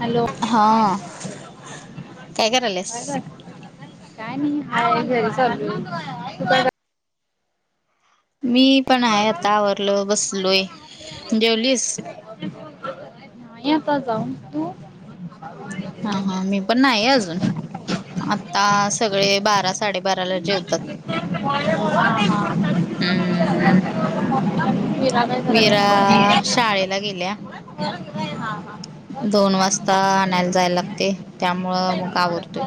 Hello. हां काय करालेस? काय नाही आहे घरी चालूय तू काय कर मी पण आहे आता आवरलो बसलोय जेवलीस? ये आता जाऊन तू. हा हा मी पण नाही अजून [inaudible] आता सगळे बारा साडेबाराला जेवतात. [inaudible] हम्म मीरा काय विरा शाळेला गेल्या. हा हा. दोन वाजता आणायला जाय लागतेय त्यामुळं मग आवरतोय.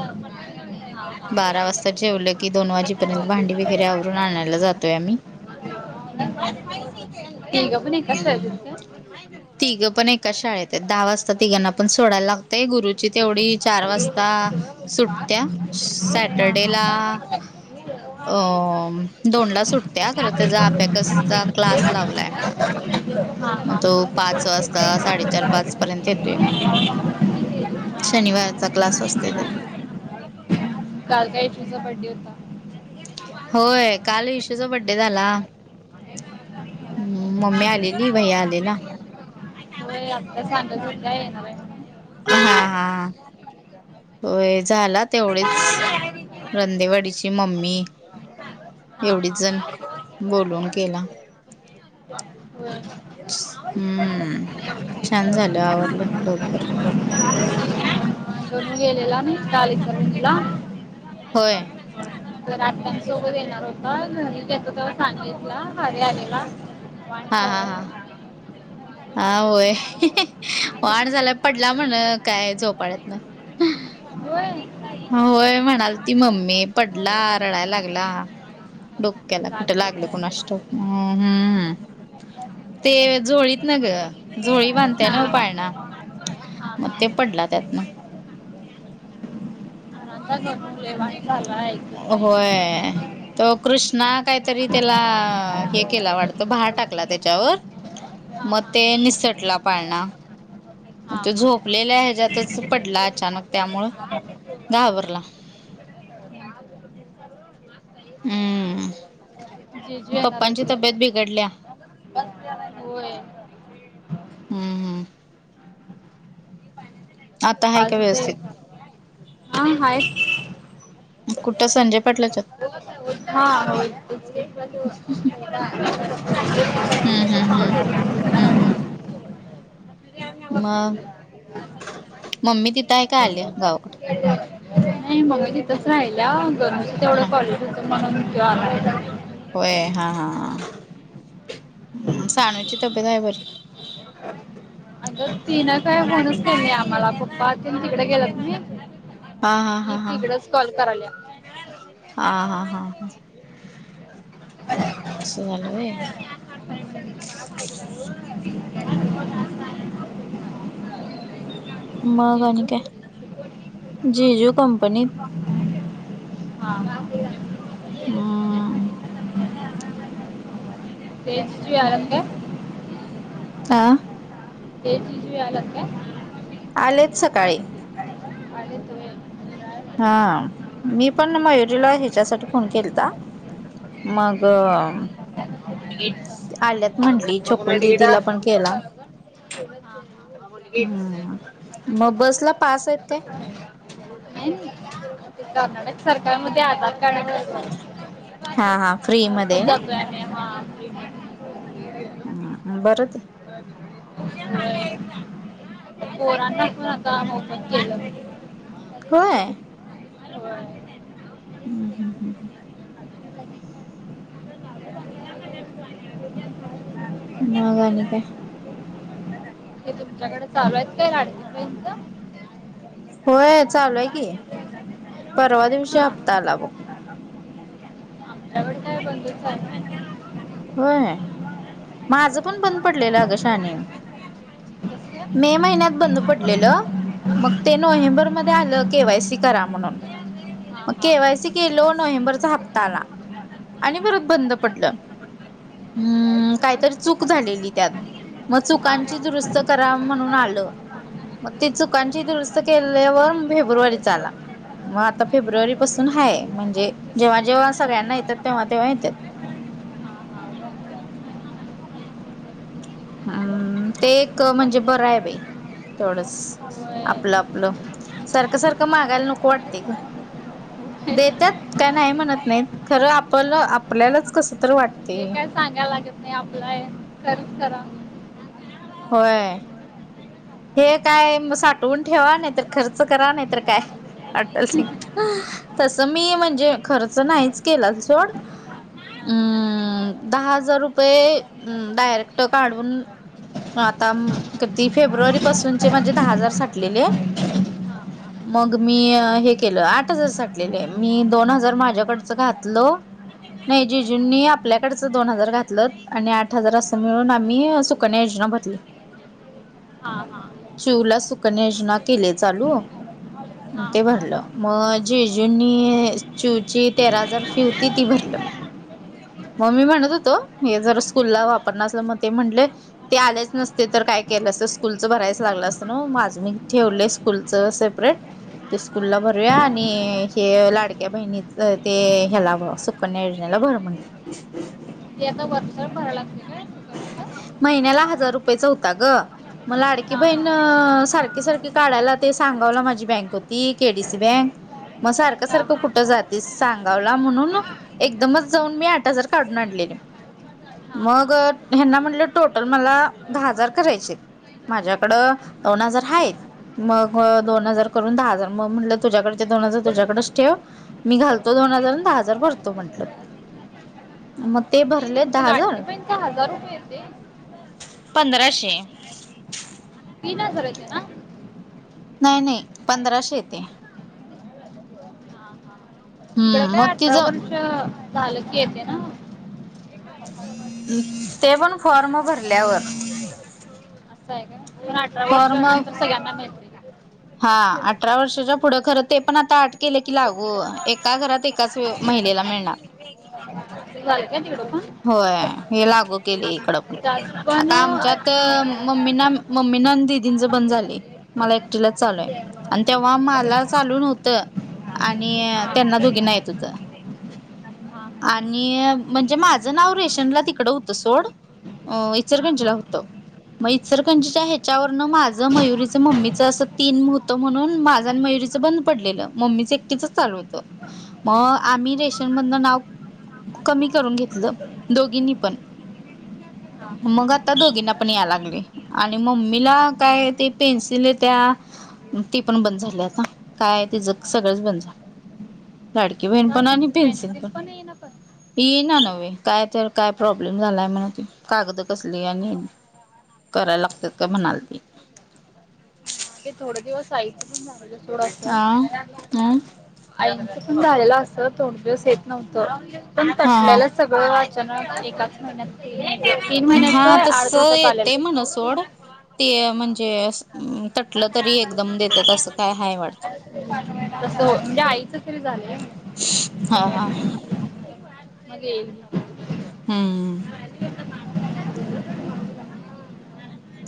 [inaudible] बारा वाजता जेवलं की दोन वाजेपर्यंत भांडी वगैरे आवरून आणायला जातोय आम्ही. तिघ पण एकाच शाळेत आहेत का? तिघं पण एकाच शाळेत आहेत दहा वाजता तिघांना पण सोडायला लागतय गुरुची तेवढी चार वाजता सुटत्या काय हा सॅटरडे हा ला अ दोनला सुटत्या खरं त्याचा ॲबॅकसचा क्लास लावलाय मी. हा म हा तो पाच वाजता साडेचार पाच पर्यंत येतोय मग. शनिवारचा क्लास असतेय त्याचा. काल काय इशूचा बड्डे होता. होय काल ईशूचा बड्डे झाला. हम्म मम्मी आलेली भैया आलेला. होय आत्या सांगत होत्या येणार आहे म्हणून. हां हां. व्हय झाला तेवढेच रंदेवाडीची मम्मी हा एवढी जण हा बोलून केला. हम्म छान झालं आवरलं [inaudible] लवकर. करून गेलेला नी शाळेत [unintelligible] होय. तर आत्यांसोबत येणार होता घरीच येत होता सांगलितला घरी आलेला. वांग हा हा हा चालायचो. हा होय वाढ झाला पडला म्हण काय झोपाळयातन. होय. होय म्हणाल ती मम्मी पडला रडायला लागला. डोक्याला कुठे लागले लागल काय कोणास ठाऊक? हम्म. ते झोळीत ना ग झोळी बांधत्या ना वं हा पाळणा. हा मग हा ते आणि पडला त्यातनं. [unintelligible] लय वानी चालला हाय होय तो कृष्णा काय तरी त्याला हे केला वाटतं भार टाकला त्याच्यावर हा म हा ते निसटला पाळणा म हा ते हा झोपलेल्या ह्याज्यातच पडला अचानक त्यामुळ घाबरला [unintelligible] जेजू हम्म येणार पप्पांची तब्येत आहेत बिघडल्या होय. हम्म हम्म आता आहे का आज हुते व्यवस्थित हा हायत कुठं संजय पाटलाच्यात [unintelligible] हा हो इथंच हम्म हम्म हम्म हम्म ये [unintelligible] मग मम्मी तिथं हाय का आलीय गावाकड [unintelligible] नाय मग इथंच राहिला गरमीच तेवढं हा कॉलेज होत म्हणून [unintelligible] होय हा हा हा हूं सानुची तब्येत हाय बरी अग तिनं काय फोनच केल नाय आम्हाला पप्पा तेन तिकड गेलत नय हा हा हा हा कॉल करायल्या हा हा हा ह अस झाल व्हय. [unintelligible] मग आणि जिजू काय जेजू कंपनीत हा काय आं तेज जेवायला हा ते जीजू यायलात काय आलेत सकाळी. आलेत व्हय हा मी पण मयुरीला ह्याच्यासाठी फोन केलता. मग [unintelligible] तिकीट्स ती आल्यात म्हटली छकुल दिदीला पण केला. हा हा [unintelligible] हम्म मग बसला पास आहेत काय नाय नाही ते कर्नाटक सरकार मध्ये आधार कार्ड हा हा फ्री [unintelligible] मध्ये हो आहे ते डब्याने हा मध्ये. हम्म बर ते [unintelligible] व्हय ते पोरांना पण आता मोफत केलं. होय. होय. हूं हूं हूं हूं [unintelligible] मग आणि काय? हे तुमच्याकड चालू आहेत काय लाडक्या बहिणीच होय चालू हाय की परवा दिवशी हप्ता आला बघ आमच्याकड काय बंद हाय नय. होय माझं पण बंद पडलेलं अग शानी कसं मे महिन्यात बंद पडलेलं मग ते हां हां नोव्हेंबरमध्ये आलं केवायसी करा म्हणून म हां केवायसी केलो, नोव्हेंबरचा हप्ता आला. आणि परत बंद पडलं हम्म काहीतरी चूक झालेली त्यात मग हां चुकांची हां दुरुस्त करा म्हणून आलं मग ते चुकांची दुरुस्त केल्या पण फेब्रुवारीचा आला. मग आता फेब्रुवारी पासून हाय म्हणजे जेव्हा जेव्हा सगळ्यांना येतात तेव्हा तेव्हा येत्यात. हम्म ते एक म्हणजे बरं हाय बाई तेवढंच होय आपलं आपलं सारखं सारखं मागायला नको वाटतंय ग. देत्यात काय नाही म्हणत नाही खरं आपलं आपल्यालाच कसं तर वाटते. हे काय सांगायला लागत नाही आपलाय खर्च करा. होय. हे काय साठवून ठेवा नाहीतर खर्च करा नाहीतर काय अटल सिंग तसं मी म्हणजे खर्च नाहीच केला सोड हम्म दहा हजार रुपये डायरेक्ट काढून आता किती फेब्रुवारी पासूनचे माझे दहा हजार साठलेले आहे. मग मी हे केलं आठ हजार साठलेले मी दोन हजार माझ्याकडचं घातलं नाही जीजुनी आपल्याकडचं दोन हजार घातल आणि आठ हजार असं मिळून आम्ही योजना भरली हा हा चिऊला सुकन्या योजना केलीय चालू. हां हां ते हां भरलं मग जेजुंनी चिऊची तेरा हजार फी होती ती भरलं. म ममी म्हणत हां होतो हे जर स्कूलला वापरना असलं मग ते म्हणले ते आलेच नसते तर काय केलंस असंत स्कूल भरायच लागलं असत न्हव माझं मी ठेवलंय होय स्कूलच सेपरेट. ते स्कूलला भरूया आणि हे लाडक्या बहिणीच हाय ते ह्याला भ सुकन्या योजनेला भर म्हटले एका वर्षाला भराव लागतंय काय? सुकन्याला महिन्याला हजार रुपयचा होता ग मग लाडकी हां हां बहीण सारखी सारखी काढायला ते सांगोवला माझी बँक होती केडीसी बँक मग सारखं हां सारखं हां कुठं जातीस सांगोवला म्हणून एकदमच जाऊन मी आठ हजार काढून आणलेली. हा हा. ह्यांना म्हटलं टोटल मला दहा हजार करायचे माझ्याकडं दोन हजार हायत. मग दोन हजार करून दहा हजार मग म्हटलं तुझ्याकडचे दोन हजार तुझ्याकडच ठेव मी घालतो दोन हजार आणि दहा हजार भरतो म्हटलं. मग ते भरले तुमचं दहा लाडकी हजार ते बहीणचं हजार रुपये येते पंधराशे तीन हजार येतो ना? नाही नाही पंधराशे येते. तिकडं हम्म मग काय तिज अठरा वर्ष झाल की येते ना? ते पण फॉर्म भरल्यावर. असं आहे का पण अठरा वर्ष फॉर्म नंतर सगळ्यांना मिळत्यात. हा अठरा वर्षाच्या पुढं खर ते पण आता आट केलं की लागू एका घरात एक एकाच महिलेला मिळणार. [inaudible] होय हे लागू त पण [unintelligible] मम्मी ना मम्मीना दीदींच बंद झालंय मला एक टीलाच चालूय आणि तेव्हा मला चालू नव्हतं आणि हां हां त्यांना दोघीना येत होत. आणि म्हणजे माझं नाव रेशनला तिकडं होत सोड हां इचरकंजीला हां होत मग इचरकंजीच्या ह्याच्यावरन माझं मयुरीच मम्मी ज असं तीन होतं म्हणून माझं आणि मयुरीचं बंद पडलेलं मम्मीच एकटीच चालूतं. हो आम्ही रेश न मदन नाव कमी करून घेतलं दोघीनी पण. मग आता दोघींना पण या लागले आणि मम्मीला काय ते पेन्सिलत. त्या ती पण बंद झाली आता काय तीज जग सगळंच बंद झालय. लाडकी बहीण का पण आणि त्यांचं पेन्सिन पेन्सिल पण. येईना पण ये ना नव्हे काय तर काय प्रॉब्लेम झालाय म्हणा ते. कागदं कसली आणि करायला लागतात का म्हणाल ती. थोड दिवस आईचं पण मोबाईलवर थोडंस अ सोडायचं. अ आईच पण झालेला असं थोड दिवस येत नव्हतं पण हा हा तटल्याला. सगळं आचान एकाच महिन्यात तीन महिन्याच हा तस आठ दिवसात आलेल. येते म्हण सोड ते म्हणजे आस. तसं काय हाय वाटत होतंय. फ्री झालंय. हा हा. मग येईन. हम्म.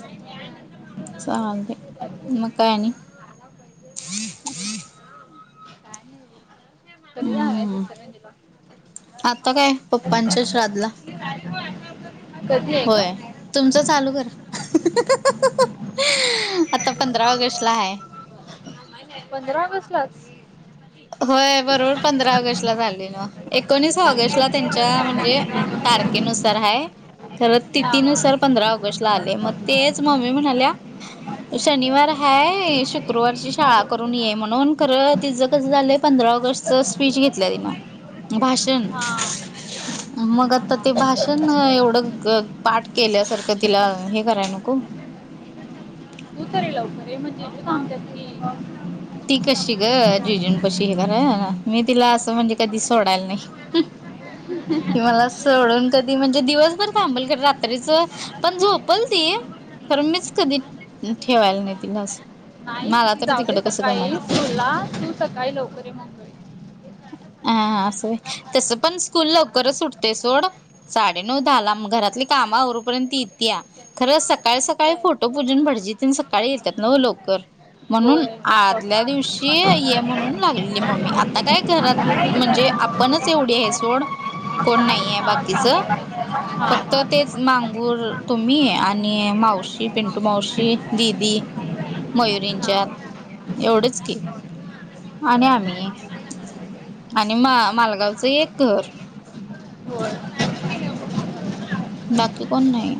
काय नाही चालतेय म काय आणि. कधी जायचं हम्म इचलकरंजीला. आता काय पप्पांच्या श्राद्धला कधी आहे होय ग. तुमचं चालू कर आता पंधरा ऑगस्ट ला आहे. पंधरा ऑगस्ट लाच. होय बरोबर पंधरा ऑगस्ट ला झाल्याले ना एकोणीस ऑगस्ट ला त्यांच्या म्हणजे. तारखेनुसार हाय खरं हा तिथीनुसार हा पंधरा ऑगस्ट ला आले मग तेच म म्मी म्हणाल्या. शनिवार हाय शुक्रवारची शाळा करून ये म्हणून खरं तिचं. कस झालं पंधरा ऑगस्ट स्पीच घेतल्या तिनं भाषण. हा मग आता ते हा भाषण एवढं क पाठ केल्यासारखं तिला हे कराय नको. तू तररीे लवकर आहे म्हणजे तू सांगत. ती कशी ग जीजून पशी हे करा ना मी तिला असं म्हणजे कधी सोडायला नाही. तुम्हाला. सडून कधी म्हणजे दिवसभर थांबल क रात्रीच पण झोपल ती. खर मीच कधी ठेवायला नाही ति लस मला तर तिकड काही तुला तू सकाळी लवकरी मणकरी. हा हा असं होय तसं पण स्कूल लवकरच उठतेय सोड. साडे नऊ मग घरातले काम अवरपर्यंत ती येत्या. खरं सकाळी असं सकाळी फोटो आहे पूजून भटजीतील सकाळी येतात न लवकर म्हणून. होय आदल्या स्वस्तात. दिवशी ये म्हणून लागली मम्मी आता काय. घरात म्हणजे आपणच एवढी आहे सोड. कोण नाही आहे बाकीच हा फक्त हा तेच मांगूर तुम्ही आणि. मावशी पिंटू मावशी दीदी. हा मयुरींच्यात एवढंच की आणि आम्ही. आणि मा मालगावचं एक घर. होय. बाकी कोण नाही.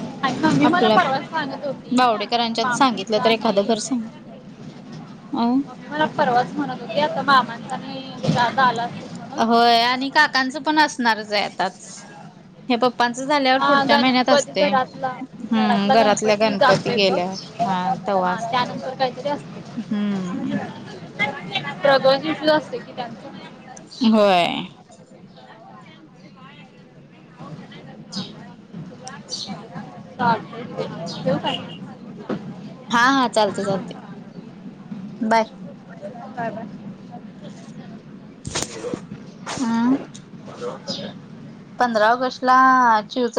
आणि मम्मी मला आपल्या परवा सांगत होती आता बावडेकरांच्यात मामांचा सांगितलं तर एखादं घर सांग. आणि अ मला परवाच म्हणत होती आता मामांचा नाही वि आला. म्हणून होय आणि काकांचं पण असणारच आहे आताच. हे पप्पांच झाल्यावर हा पुढच्या महिन्यात गणपती असते घरातला हम्म घरातला घरातल्या गणपती जातोय बघ गेल्या त्यानंतर काहीतरी असते हम्म रघवन जीषू असते कि त्यांच होय ठ का हा हा चालते चालते बाय ब हम् पंधरा ऑगस्ट ला चिवच